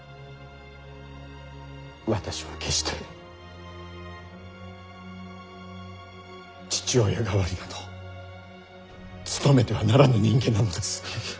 私は決して父親代わりなど務めてはならぬ人間なのです。